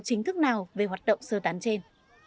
chính thức nào về hoạt động sơ tán trên